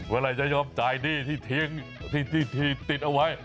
เวลาจะยอมจ่ายหนี้ที่ทิ้งที่ติดเอาไว้